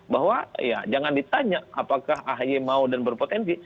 bahwa ya jangan ditanya apakah ahy mau dan berpotensi